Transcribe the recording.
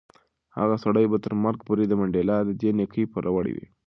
هغه سړی به تر مرګ پورې د منډېلا د دې نېکۍ پوروړی وي.